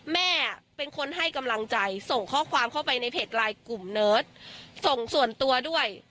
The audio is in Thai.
แม่เป็นคนให้กำลังใจส่งข้อความเข้าไปในเพจไลน์กลุ่มเนิร์ดส่งส่วนตัวด้วย